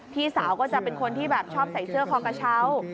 พี่สาวก็จะเป็นคนที่แบบชอบใส่เสื้อคอกระเช้า